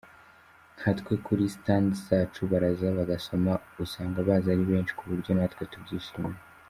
Nkatwe kuri stands zacu baraza bagasoma, usanga baza ari benshi ku buryo natwe tubyishimira.